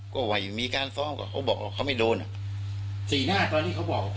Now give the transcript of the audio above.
ก็ไม่โดนสีหน้าตอนนี้เขาบอกว่าเป็นอย่างไร